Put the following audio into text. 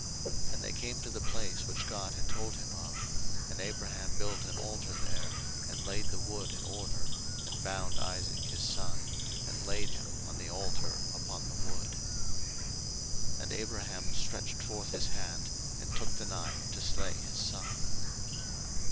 01:022:009 And they came to the place which God had told him of; and Abraham built an altar there, and laid the wood in order, and bound Isaac his son, and laid him on the altar upon the wood. 01:022:010 And Abraham stretched forth his hand, and took the knife to slay his son.